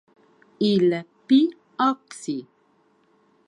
Il P. Oxy.